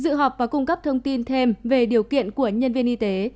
dự họp và cung cấp thông tin thêm về điều kiện của nhân viên y tế